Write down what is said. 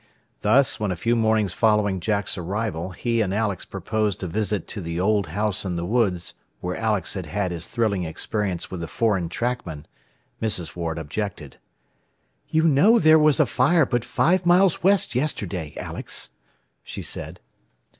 Thus, when a few mornings following Jack's arrival he and Alex proposed a visit to the old house in the woods where Alex had had his thrilling experience with the foreign trackmen, Mrs. Ward objected. "You know there was a fire but five miles west yesterday, Alex," she said.